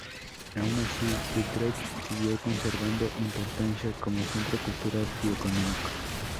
Aun así, Utrecht siguió conservando importancia como centro cultural y económico.